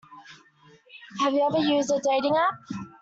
Have you ever used a dating app?